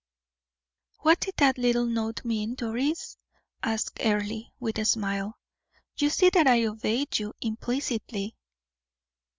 "What did that little note mean, Doris?" asked Earle, with a smile. "You see that I obeyed you implicitly."